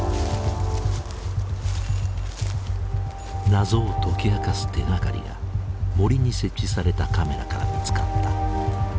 謎を解き明かす手がかりが森に設置されたカメラから見つかった。